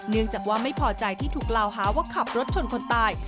เนื่องจากว่าไม่พอใจที่ถูกกล่าวหาว่าขับรถชนคนตาย